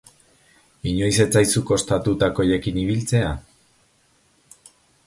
Inoiz ez zaizu kostatu takoiekin ibiltzea?